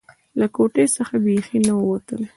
له کوټې څخه بيخي نه وتله.